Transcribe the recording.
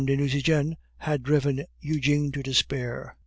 de Nucingen had driven Eugene to despair.